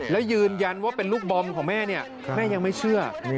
และยืนยันว่าเป็นลูกบอล์มของแม่แม่ยังไม่เชื่อ